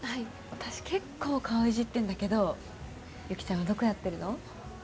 私結構顔いじってんだけど雪ちゃんはどこやってるの？